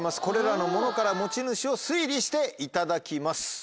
これらの物から持ち主を推理していただきます。